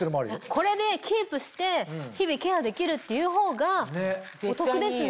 これでキープして日々ケアできるっていうほうがお得ですね。